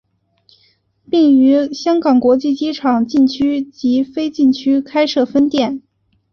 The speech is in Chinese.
并于香港国际机场禁区及非禁区开设分店。